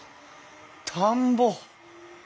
田んぼ！